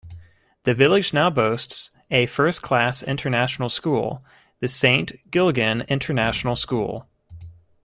The village now boasts a first-class international school, the Saint Gilgen International School.